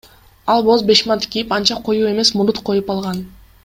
Ал боз бешмант кийип, анча коюу эмес мурут коюп алган.